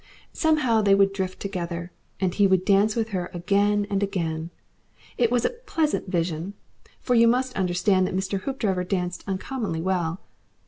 Somehow they would drift together, and he would dance with her again and again. It was a pleasant vision, for you must understand that Mr. Hoopdriver danced uncommonly well.